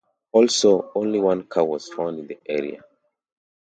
Also, only one car was found in the area.